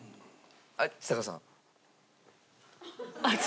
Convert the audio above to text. はいちさ子さん。